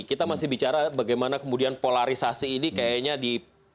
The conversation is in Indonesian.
kita masih bicara bagaimana kemudian polarisasi ini kayaknya di